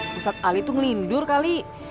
pusat ali itu ngelindur kali